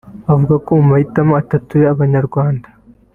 Avuga ku mahitamo atatu y’ Abanyarwanda